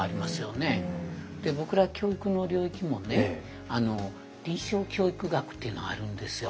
僕ら教育の領域もね臨床教育学っていうのあるんですよ。